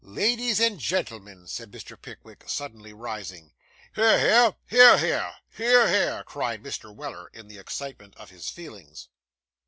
'Ladies and gentlemen,' said Mr. Pickwick, suddenly rising. 'Hear, hear! Hear, hear! Hear, hear!' cried Mr. Weller, in the excitement of his feelings.